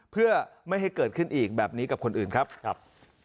เพื่อไม่ให้เกิดขึ้นอีกแบบนี้กับคนอื่นครับ